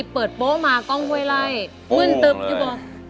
เปิดโป๊ะมาก้องไวไล่มึ่นตึบอยู่บน